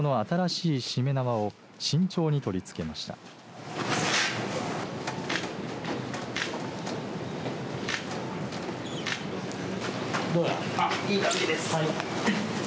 いい感じです。